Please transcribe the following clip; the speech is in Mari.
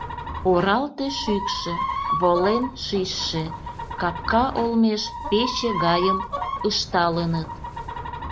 Оралте шӱкшӧ, волен шичше, капка олмеш пече гайым ышталыныт.